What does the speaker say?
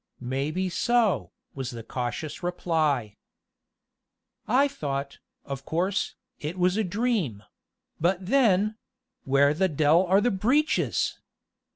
"May be so," was the cautious reply. "I thought, of course, it was a dream; but then where the d l are the breeches?"